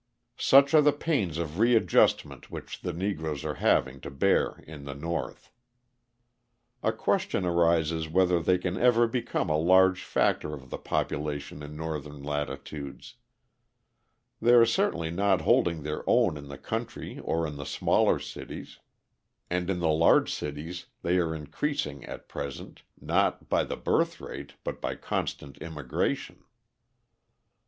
Such are the pains of readjustment which the Negroes are having to bear in the North. A question arises whether they can ever become a large factor of the population in Northern latitudes. They are certainly not holding their own in the country or in the smaller cities, and in the large cities they are increasing at present, not by the birth rate, but by constant immigration.